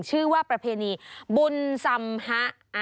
ชื่อว่าประเพณีบุญสำฮะ